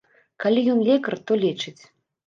Калі ён лекар, то лечыць.